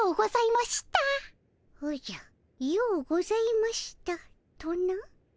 「ようございました」とな。